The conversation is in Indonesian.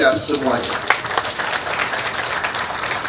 bekerja untuk rakyat indonesia